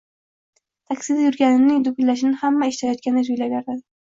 Taksida yuragimning dukillashini hamma eshitayotganday tuyulaverdi